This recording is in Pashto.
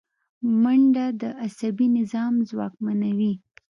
منډه د عصبي نظام ځواکمنوي